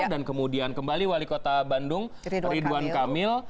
dan kemudian kembali wali kota bandung ridwan kamil